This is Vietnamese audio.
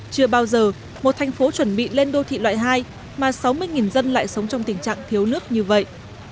chưa bao giờ một thành phố chuẩn bị lên đô thị loại hai mà sáu mươi dân lại sống trong tình trạng thiếu nước như vậy